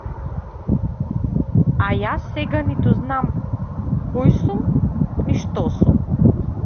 А јас сега ниту знам кој сум ни што сум.